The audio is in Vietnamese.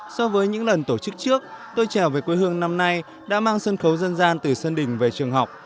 so với những lần tổ chức trước tôi trở về quê hương năm nay đã mang sân khấu dân gian từ sơn đình về trường học